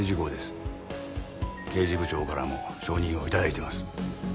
刑事部長からも承認を頂いてます。